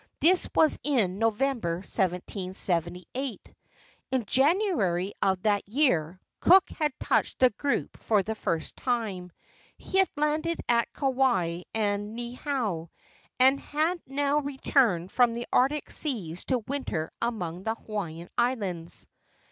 This was in November, 1778. In January of that year Cook had touched the group for the first time. He had landed at Kauai and Niihau, and had now returned from the Arctic seas to winter among the Hawaiian Islands.